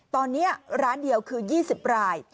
ตอนนี้ร้านเดียวคือ๒๐ราย